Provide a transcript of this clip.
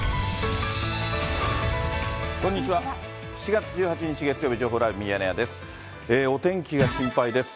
７月１８日月曜日、情報ライブミヤネ屋です。